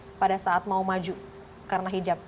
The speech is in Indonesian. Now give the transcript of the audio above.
ini ditolak pada saat mau maju karena hijab